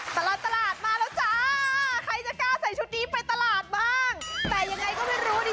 ตลอดตลาดมาแล้วจ้าใครจะกล้าใส่ชุดนี้ไปตลาดบ้างแต่ยังไงก็ไม่รู้ดิ